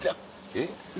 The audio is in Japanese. えっ？